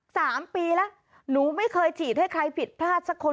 สามปีแล้วหนูไม่เคยฉีดให้ใครผิดพลาดสักคน